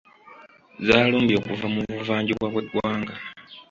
Zaalumbye okuva mu buvanjuba bw'eggwanga.